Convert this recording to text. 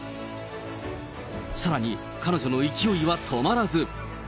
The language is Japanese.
さらに、彼女の勢いは止まらず。